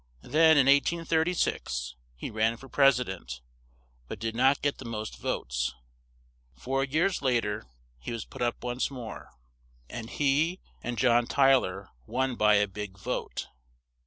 Then in 1836, he ran for Pres i dent, but did not get the most votes; four years la ter he was put up once more, and he and John Ty ler won by a big vote.